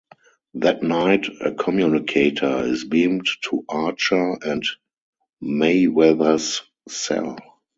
That night, a communicator is beamed to Archer and Mayweather's cell.